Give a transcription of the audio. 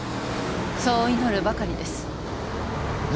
そう祈るばかりですじゃ